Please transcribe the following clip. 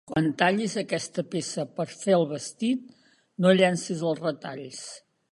Quan tallis aquesta peça per fer el vestit, no llencis els retalls.